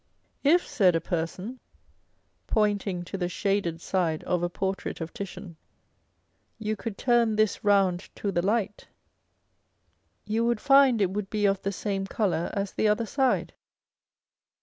" If," said a person, pointing to the shaded side of a por trait of Titian, " you could turn this round to the light, you would find it would be of the same colour as the other side